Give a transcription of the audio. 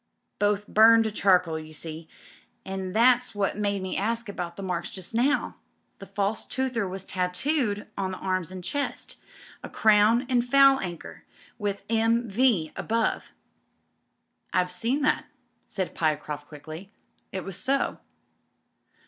Both burned to char coal, you see. And — ^that's what made me ask about marks just now — ^the false toother was tattooed on the arms and chest — a crown and foul anchor with M. V. above." "I've seen that," said Pyecroft quickly. "It was so."